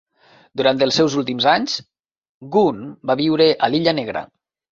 Durant els seus últims anys, Gunn va viure a l'Illa Negra.